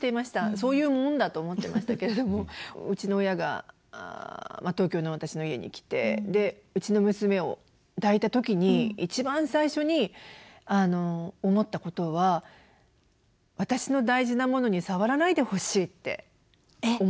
そういうもんだと思ってましたけれどもうちの親が東京の私の家に来てでうちの娘を抱いた時に一番最初に思ったことは私の大事なものに触らないでほしいって思ったんですね。